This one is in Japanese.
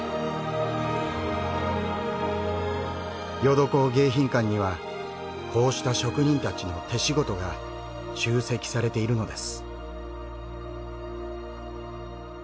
『ヨドコウ迎賓館』にはこうした職人たちの手仕事が集積されているのです。